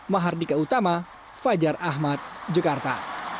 mahardika utama fajar ahmad jakarta